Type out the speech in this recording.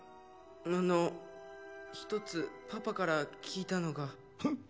あの一つパパから聞いたのがんっ？